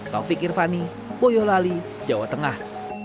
taufik irvani boyolali jawa tengah